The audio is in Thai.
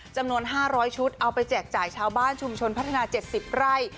จำนวน๕๐๐ชุดเอาไปแจกจ่ายชาวบ้านชุมชนพัฒนา๗๐ไร่